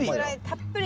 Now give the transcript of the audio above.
たっぷり？